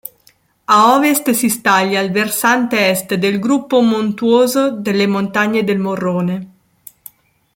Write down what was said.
A ovest si staglia il versante est del gruppo montuoso delle Montagne del Morrone.